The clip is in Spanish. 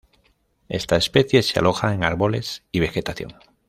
Esta especie se aloja en árboles y vegetación.